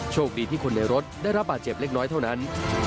โชคดีที่คนในรถได้รับบาดเจ็บเล็กน้อยเท่านั้น